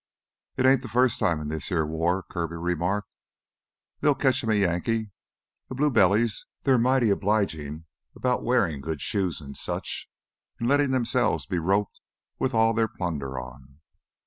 "It ain't the first time in this heah war," Kirby remarked. "They'll ketch 'em a Yankee. The blue bellies, they're mighty obligin' 'bout wearin' good shoes an' such, an' lettin' themselves be roped with all their plunder on.